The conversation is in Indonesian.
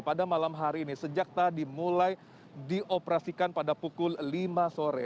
pada malam hari ini sejak tadi mulai dioperasikan pada pukul lima sore